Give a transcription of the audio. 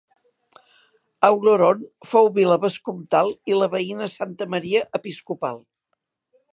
Auloron fou vila vescomtal i la veïna Santa Maria vila episcopal.